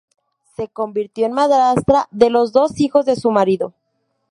Se convirtió en madrastra de los dos hijos de su marido.